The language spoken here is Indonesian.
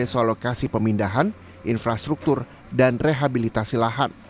soal lokasi pemindahan infrastruktur dan rehabilitasi lahan